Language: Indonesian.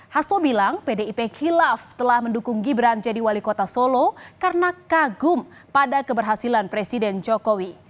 hasto bilang pdip hilaf telah mendukung gibran jadi wali kota solo karena kagum pada keberhasilan presiden jokowi